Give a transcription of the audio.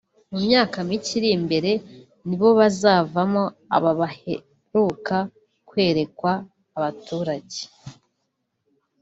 mu myaka mike iri mbere ni bo bazavamo aba baheruka kwerekwa abaturage